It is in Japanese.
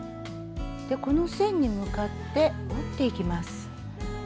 この線に向かって折っていきます。